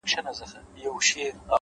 o ورور مي دی هغه دی ما خپله وژني ـ